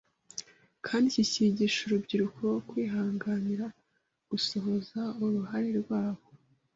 kandi kikigisha urubyiruko kwihanganira gusohoza uruhare rwabo